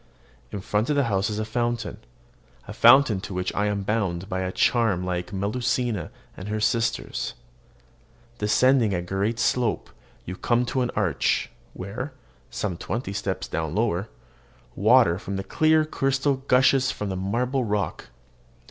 In front of the house is a fountain, a fountain to which I am bound by a charm like Melusina and her sisters. Descending a gentle slope, you come to an arch, where, some twenty steps lower down, water of the clearest crystal gushes from the marble rock.